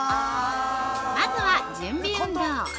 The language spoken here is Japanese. ◆まずは準備運動。